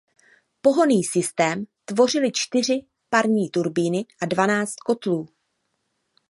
Pohonný systém tvořily čtyři parní turbíny a dvanáct kotlů.